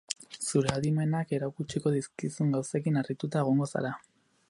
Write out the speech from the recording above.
Zure adimenak erakutsiko dizkizun gauzekin harrituta egongo zara.